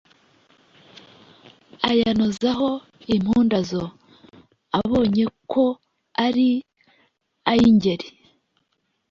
Ayanozaho impundazo, Abonye ko ari ay' Ingeri,